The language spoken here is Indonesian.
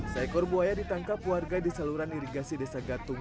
seekor buaya ditangkap warga di saluran irigasi desa gatung